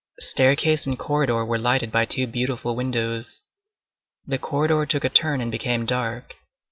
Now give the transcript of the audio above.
Staircase and corridor were lighted by two beautiful windows. The corridor took a turn and became dark.